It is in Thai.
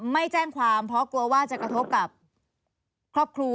ไม่แจ้งความเพราะกลัวว่าจะกระทบกับครอบครัว